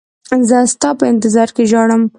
زه ستا په انتظار کې ژاړم.